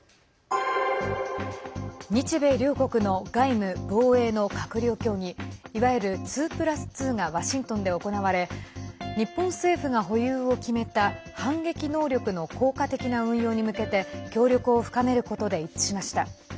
日米両国の外務・防衛の閣僚協議いわゆる２プラス２がワシントンで行われ日本政府が保有を決めた反撃能力の効果的な運用に向けて協力を深めることで一致しました。